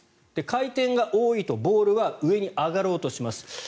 回転が多いとボールは上に上がろうとします。